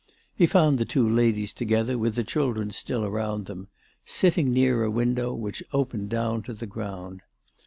He found the two ladies together, with the children still around them, sitting near a window which opened down to the ground.